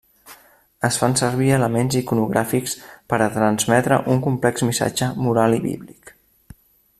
Es fan servir elements iconogràfics per a transmetre un complex missatge moral i bíblic.